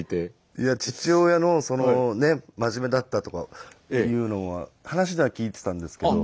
いや父親のそのねぇ真面目だったとかというのは話では聞いてたんですけど。